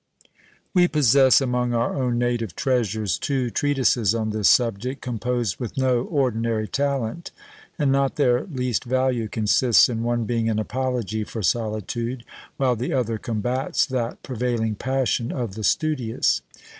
We possess, among our own native treasures, two treatises on this subject, composed with no ordinary talent, and not their least value consists in one being an apology for solitude, while the other combats that prevailing passion of the studious.